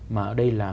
mà ở đây là